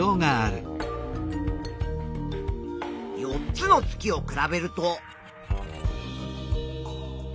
４つの月を比べると。